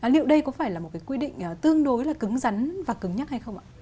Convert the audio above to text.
liệu đây có phải là một cái quy định tương đối là cứng rắn và cứng nhắc hay không ạ